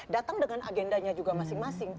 datang dengan agendanya juga masing masing